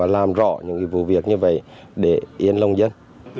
làm rõ những vụ việc như vậy để yên lông dân